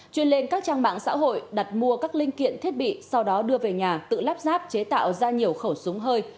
chuyên lên các trang mạng xã hội đặt mua các linh kiện thiết bị sau đó đưa về nhà tự lắp ráp chế tạo ra nhiều khẩu súng hơi